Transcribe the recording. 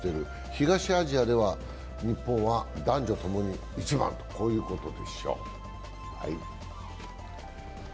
東アジアでは日本は男女ともに１番ということでしょう。